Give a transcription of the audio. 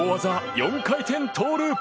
４回転トウループ。